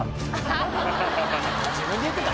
自分で言ってた。